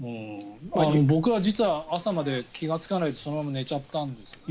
僕は実は朝まで気がつかないでそのまま寝ちゃったんです。